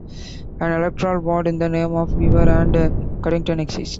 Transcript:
An electoral ward in the name of Weaver and Cuddington exists.